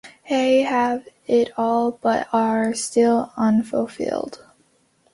They have it all but are still unfulfilled.